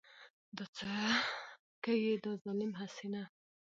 دا څه که يې دا ظالم هسې نه .